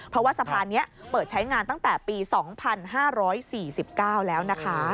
เพราะว่าสะพานนี้เปิดใช้งานตั้งแต่ปี๒๕๔๙แล้วนะคะ